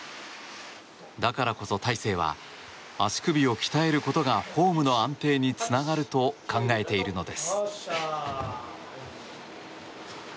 だからこそ大勢は足首を鍛えることがフォームの安定につながると考えているのです。